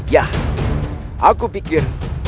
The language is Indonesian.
ya aku pikir